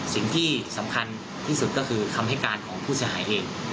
สิ่งที่สำคัญที่สุดก็คือคำให้การของผู้เสียหายเอง